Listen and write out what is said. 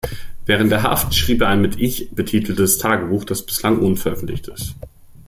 Während der Haft schrieb er ein mit „Ich“ betiteltes Tagebuch, das bislang unveröffentlicht ist.